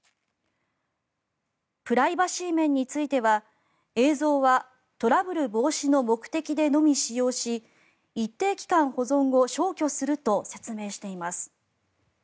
プライバシー面については映像はトラブル防止の目的でのみ使用し一定期間保存後消去すると説明しています。